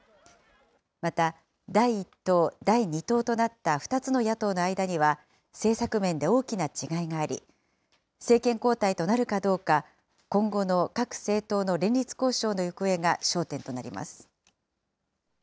また、第１党、第２党となった２つの野党の間には、政策面で大きな違いがあり、政権交代となるかどうか、今後の各政党の連立交渉の行方が焦点となります。